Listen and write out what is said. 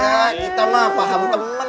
ya kita mah paham temen